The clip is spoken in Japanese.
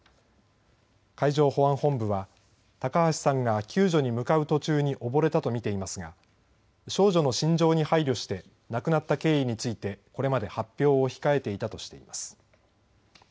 海上保安本部は高橋さんが救助に向かう途中に溺れたと見ていますが少女の心情に配慮して亡くなった経緯についてこれまで発表を控えていたとしています。